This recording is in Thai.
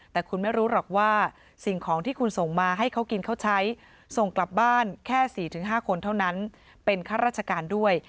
แต่คุณไม่รู้หรอกว่าสิ่งของที่คุณส่งมาให้เขากินเขาใช้ส่งกลับบ้านแค่๔๕คนเท่านั้นเป็นข้าราชการด้วย